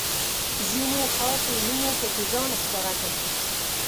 ځینو خاصو علومو پکې ځان ښکاره کړ.